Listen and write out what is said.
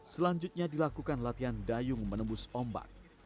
selanjutnya dilakukan latihan dayung menembus ombak